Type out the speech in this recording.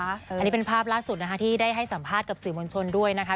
อันนี้เป็นภาพล่าสุดนะคะที่ได้ให้สัมภาษณ์กับสื่อมวลชนด้วยนะคะ